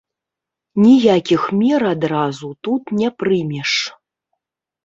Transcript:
Ніякіх мер адразу тут не прымеш.